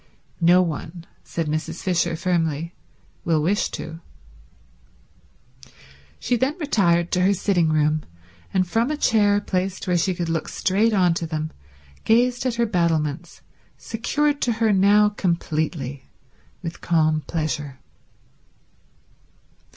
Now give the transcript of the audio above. "No one," said Mrs. Fisher firmly, "will wish to." She then retired to her sitting room, and from a chair placed where she could look straight on to them, gazed at her battlements, secured to her now completely, with calm pleasure.